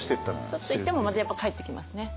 ちょっと行ってもまたやっぱ帰ってきますね。